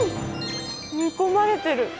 煮込まれてる。